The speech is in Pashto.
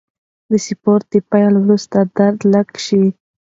د سپورت د پیل وروسته درد لږ شي.